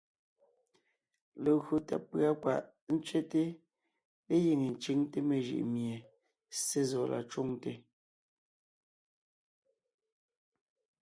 Legÿo tà pʉ̀a kwaʼ ntsẅɛ́te légíŋe ńcʉŋte mejʉʼ mie Ssé zɔ la cwoŋte,